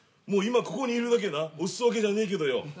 もう今ここにいるだけなおすそ分けじゃねえけどよ